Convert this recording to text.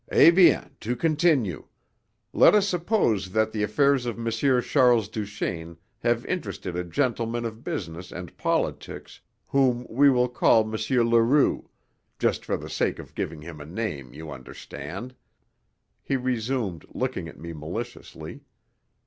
"Eh bien, to continue. Let us suppose that the affairs of M. Charles Duchaine have interested a gentleman of business and politics whom we will call M. Leroux just for the sake of giving him a name, you understand," he resumed, looking at me maliciously.